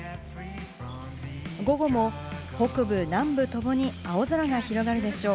午後も北部、南部ともに青空が広がるでしょう。